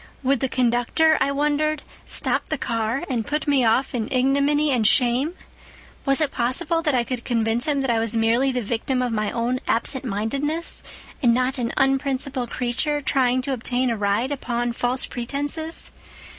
Would the conductor, I wondered, stop the car and put me off in ignominy and shame? Was it possible that I could convince him that I was merely the victim of my own absentmindedness, and not an unprincipled creature trying to obtain a ride upon false pretenses?